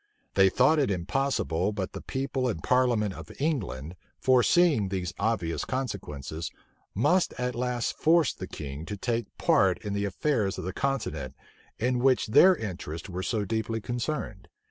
They thought it impossible but the people and parliament of England, foreseeing these obvious consequences, must at last force the king to take part in the affairs of the continent, in which their interests were so deeply concerned.